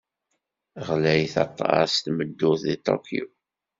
Ɣlayet aṭas tmeddurt deg Tokyo.